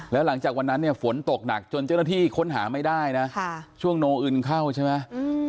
แล้วหลังจากวันนั้นฝนตกหนักจนเจ้าหน้าภีร์คนหาไม่ได้ซึ่งช่วงโนอิุ่นเข้าใช่ไหม